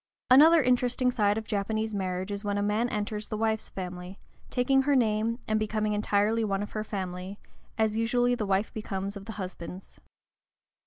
Another interesting side of Japanese marriage is when a man enters the wife's family, taking her name and becoming entirely one of her family, as usually the wife becomes of the husband's.